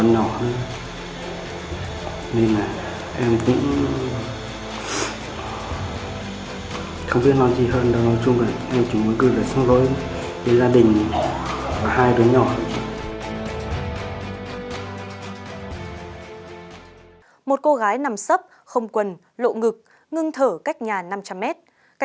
nói chung là em cũng không muốn làm như thế